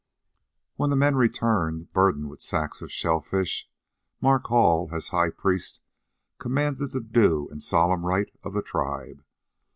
When the men returned, burdened with sacks of shellfish, Mark Hall, as high priest, commanded the due and solemn rite of the tribe.